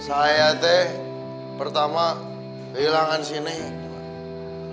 saya teh pertama kehilangan si neng